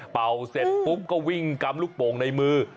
เสร็จปุ๊บก็วิ่งกำลูกโป่งในมือ